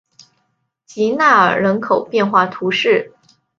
吉纳尔人口变化图示